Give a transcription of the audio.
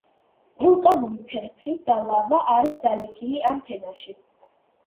ვულკანური ფერფლი და ლავა არის დალექილი ამ ფენაში.